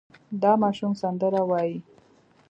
دا ماشوم سندره وايي.